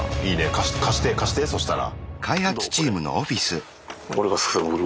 貸して貸して貸してそしたら。